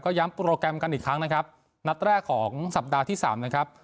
ย้ำโปรแกรมกันอีกครั้งนะครับนัดแรกของสัปดาห์ที่สามนะครับ